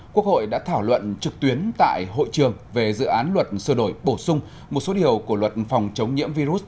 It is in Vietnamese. quốc hội đã thảo luận trực tuyến tại hội trường về dự án luật sửa đổi bổ sung một số điều của luật phòng chống nhiễm virus